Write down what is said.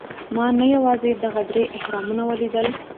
ما نه یوازې دغه درې اهرامونه ولیدل.